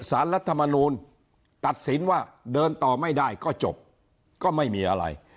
รัฐมนูลตัดสินว่าเดินต่อไม่ได้ก็จบก็ไม่มีอะไร